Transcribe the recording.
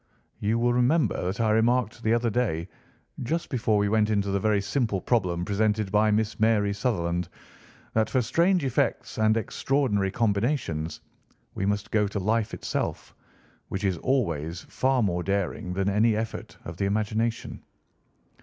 "You will remember that I remarked the other day, just before we went into the very simple problem presented by Miss Mary Sutherland, that for strange effects and extraordinary combinations we must go to life itself, which is always far more daring than any effort of the imagination."